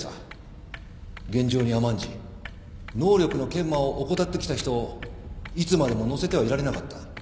現状に甘んじ能力の研磨を怠ってきた人をいつまでも乗せてはいられなかった。